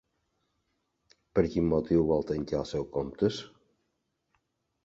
Per quin motiu vol tancar els seus comptes?